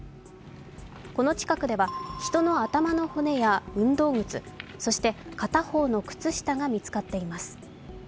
この近くでは人の頭の骨や運動靴、そして、片方の靴下が見つかっています。